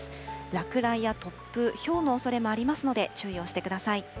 落雷や突風、ひょうのおそれもありますので、注意をしてください。